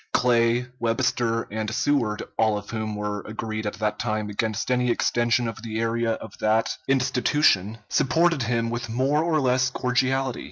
Clay, Webster, and Seward, all of whom were agreed at that time against any extension of the area of that institution, supported him with more or less cordiality.